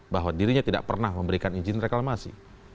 bahwa dirinya tidak pernah memberikan izin reklamasi